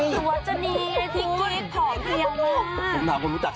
สิวจนีไอ้ที่กิ๊กหอบเพียง